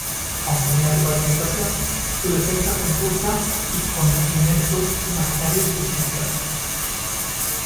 Aunque niega su participación, su defensa confusa y con elementos imaginarios es ineficaz.